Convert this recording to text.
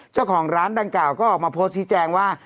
เจ้าของร้านดังกล่าวก็ออกมาโพสต์ชี้แจงว่า